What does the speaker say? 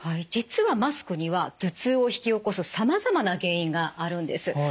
実はマスクには頭痛を引き起こすさまざまな原因があるんです。